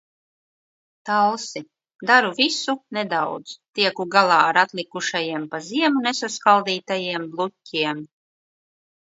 Talsi. Daru visu nedaudz – tieku galā ar atlikušajiem pa ziemu nesaskaldītajiem bluķiem.